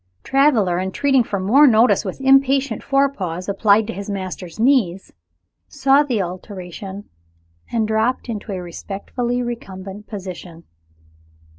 Traveler, entreating for more notice with impatient forepaws applied to his master's knees, saw the alteration, and dropped into a respectfully recumbent position.